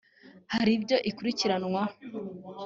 Haribyo ikurikiranwaho .